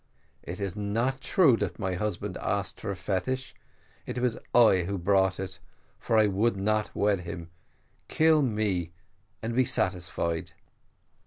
It is not true that my husband asked for a fetish it was I who bought it, for I would not wed him. Kill me and be satisfied.'